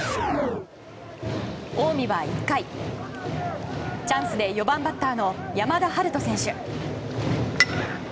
近江は１回チャンスで４番バッターの山田陽翔選手。